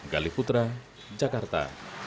galih putra jakarta